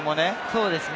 そうですね。